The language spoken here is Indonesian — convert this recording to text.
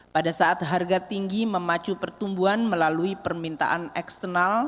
pada saat harga tinggi memacu pertumbuhan melalui permintaan eksternal